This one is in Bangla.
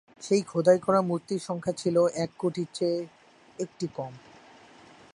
সেই খোদাই করা মূর্তির সংখ্যা ছিল এক কোটির চেয়ে একটি কম।